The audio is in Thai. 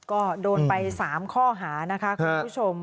ก็โดนไป๓ข้อหานะคะคุณผู้ชม